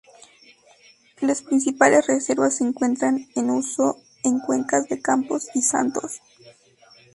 Las principales reservas se encuentran en uso en cuencas de Campos y Santos.